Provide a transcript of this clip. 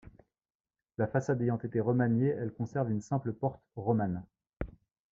La façade ayant été remaniée elle conserve une simple porte romane.